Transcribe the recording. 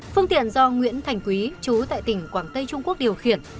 phương tiện do nguyễn thành quý chú tại tỉnh quảng tây trung quốc điều khiển